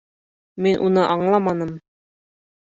Мин уны аңламаным.